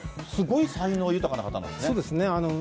すごい才能豊かな方なんですね。